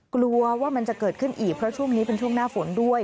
กลัวว่ามันจะเกิดขึ้นอีกเพราะช่วงนี้เป็นช่วงหน้าฝนด้วย